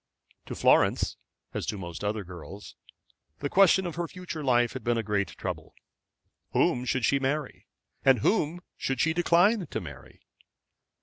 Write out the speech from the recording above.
To Florence, as to most other girls, the question of her future life had been a great trouble. Whom should she marry? and whom should she decline to marry?